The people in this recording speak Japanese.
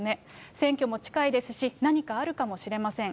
選挙も近いですし、何かあるかもしれません。